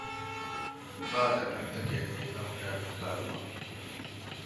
ބާ ދަގަނޑުތަކެއް ނީލަމުގައި ވިއްކާލުމަށް